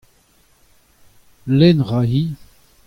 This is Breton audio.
lenn a ra-hi.